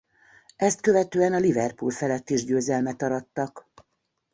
Ezt követően a Liverpool felett is győzelmet arattak.